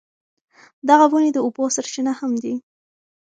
دغه ونې د اوبو سرچینه هم دي.